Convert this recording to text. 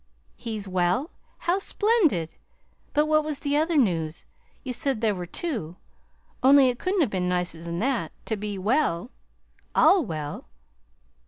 "He's well? How splendid! But what was the other news? You said there were two; only it couldn't have been nicer than that was; to be well all well!"